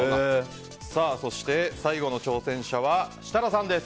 そして、最後の挑戦者は設楽さんです。